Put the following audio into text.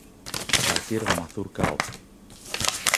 A partir da Mazurca op.